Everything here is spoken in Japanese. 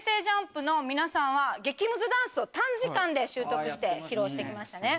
ＪＵＭＰの皆さんは激ムズダンスを短時間で習得して披露して来ましたね。